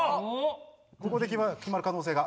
ここで決まる可能性が。